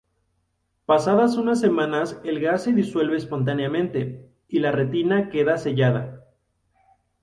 Pasadas unas semanas el gas se disuelve espontáneamente y la retina queda sellada